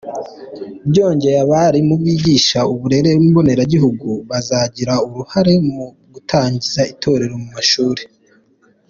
Byongeye abarimu bigisha uburere mboneragihugu bazagira uruhare mu gutangiza Itorero mu mashuri.